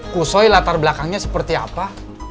kusoi latar belakangnya seperti apa